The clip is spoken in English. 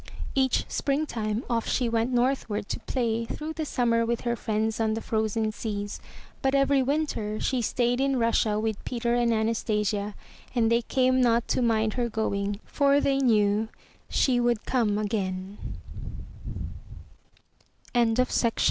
Each Springtime off she went northward to play through the sum mer with her friends on the frozen seas, but every winter, she stayed in Russia with Peter and Anastasia and they came not to mind her going for